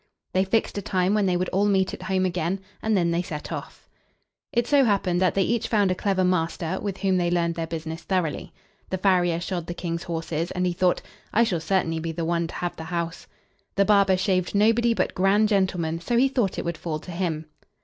They fixed a time when they would all meet at home again, and then they set off. It so happened that they each found a clever master with whom they learned their business thoroughly. The farrier shod the King's horses, and he thought, "I shall certainly be the one to have the house." The barber shaved nobody but grand gentlemen, so he thought it would fall to him.